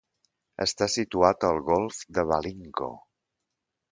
Està situat al golf de Valinco.